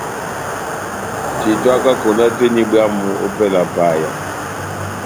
Titwaka konda tɛ́h eni bwámu opɛlɛ ya paya.